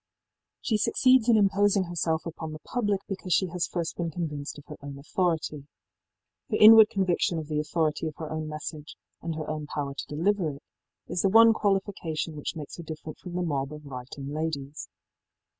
She succeeds in imposing herself upon the public because she has first been convinced of her own authority. Her inward conviction of the authority of her own message and her own power to deliver it is the one qualification which makes her different from the mob of writing ladies.